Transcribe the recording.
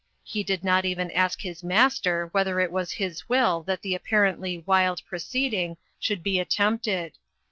He did not even ask his Master whether it was his will that the apparently " wild proceeding " should be attempted.